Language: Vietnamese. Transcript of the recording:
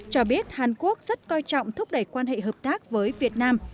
cho biết hàn quốc rất coi trọng thúc đẩy quan hệ hợp tác với việt nam